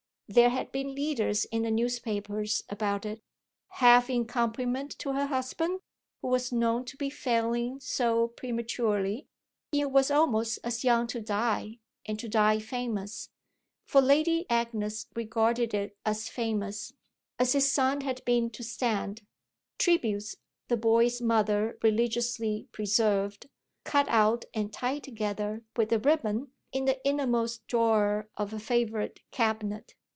There had been leaders in the newspapers about it, half in compliment to her husband, who was known to be failing so prematurely he was almost as young to die, and to die famous, for Lady Agnes regarded it as famous, as his son had been to stand tributes the boy's mother religiously preserved, cut out and tied together with a ribbon, in the innermost drawer of a favourite cabinet.